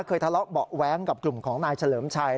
ทะเลาะเบาะแว้งกับกลุ่มของนายเฉลิมชัย